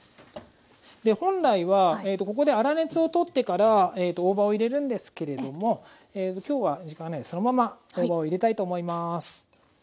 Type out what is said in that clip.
で本来はここで粗熱を取ってから大葉を入れるんですけれども今日は時間がないんでそのまま大葉を入れたいと思います。